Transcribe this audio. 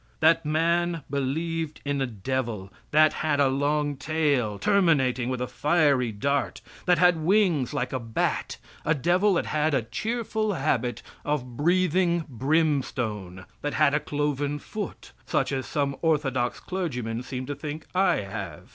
That man believed in a devil, that had a long tail terminating with a fiery dart; that had wings like a bat a devil that had a cheerful habit of breathing brimstone, that had a cloven foot, such as some orthodox clergymen seem to think I have.